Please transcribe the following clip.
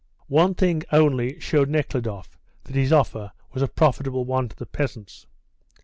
One thing only showed Nekhludoff that his offer was a profitable one to the peasants.